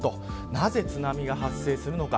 なぜ、津波が発生するのか。